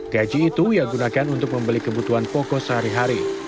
gaji itu ia gunakan untuk membeli kebutuhan pokok sehari hari